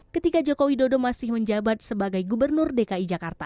ketika jokowi dodo masih menjabat sebagai gubernur dki jakarta